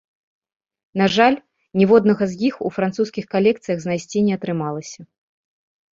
На жаль, ніводнага з іх у французскіх калекцыях знайсці не атрымалася.